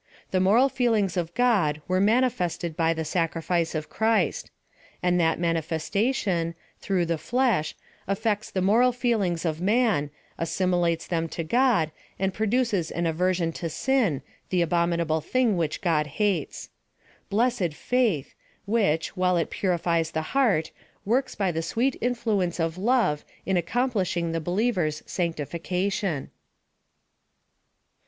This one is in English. The moral feelings of God were manifested by tlio sacrifice of Christ ; and that manifestation, through tlie flesh, affects the moral feelings of man, assimi lates them to God, and produces an aversion to sin, the abominable thing which God hates. Blessed Ikitli ! wliic/i. while it purifies the heart, works by PLAN OF SALVATION. '^03 the sweet ir^fluence of love in accomplishing the believer's sanctification.